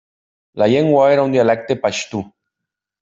La llengua era un dialecte paixtu.